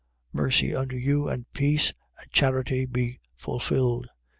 1:2. Mercy unto you and peace: and charity be fulfilled.